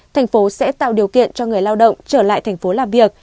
thành phố sẽ tạo điều kiện cho người lao động trở lại thành phố làm việc